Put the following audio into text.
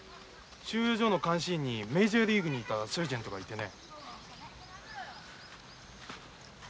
収容所の監視員にメジャーリーグにいたサージェントがいてね。